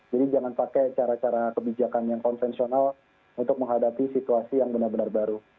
jadi jangan pakai cara cara kebijakan yang konvensional untuk menghadapi situasi yang benar benar baru